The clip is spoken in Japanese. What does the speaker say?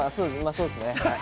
そうですね。